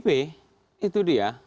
pdip itu dia